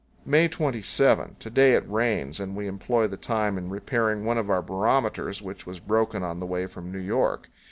May 27. To day it rains, and we employ the time in repairing one of our barometers, which was broken on the way from New York.